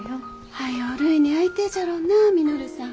早うるいに会いてえじゃろうな稔さん。